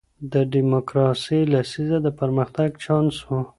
د ډیموکراسۍ لسیزه د پرمختګ چانس و.